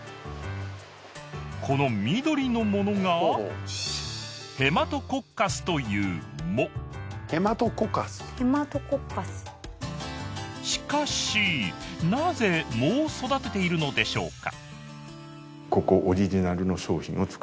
この緑のものがヘマトコッカスという藻しかしなぜ藻を育てているのでしょうか？